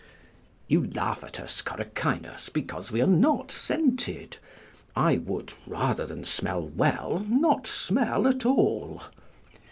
["You laugh at us, Coracinus, because we are not scented; I would, rather than smell well, not smell at all."